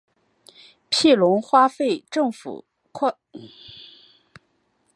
庇隆扩大政府花费。